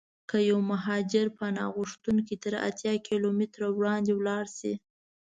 که یو مهاجر پناه غوښتونکی تر اتیا کیلومترو وړاندې ولاړشي.